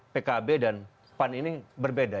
pkb dan pan ini berbeda